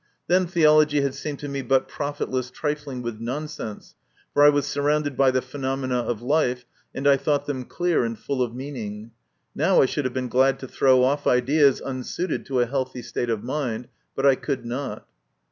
Then theology had seemed to me but profitless trifling with nonsense, for I was surrounded by the phenomena of life, and I thought them clear and full of meaning ; now I should have been glad to throw off ideas unsuited to a healthy state of mind, but I could not.